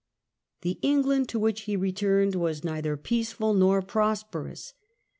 The England to which he returned was neither peaceful nor prosperous.